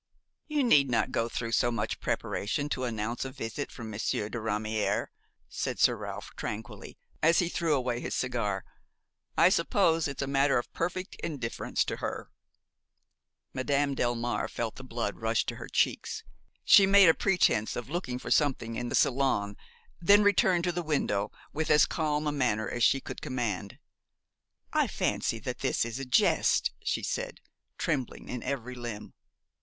"You need not go through so much preparation to announce a visit from Monsieur de Ramière," said Sir Ralph, tranquilly, as he threw away his cigar; "I suppose that it's a matter of perfect indifference to her." Madame Delmare felt the blood rush to her cheeks; she made a pretence of looking for something in the salon, then returned to the window with as calm a manner as she could command. "I fancy that this is a jest," she said, trembling in every limb.